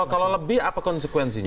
kalau lebih apa konsekuensinya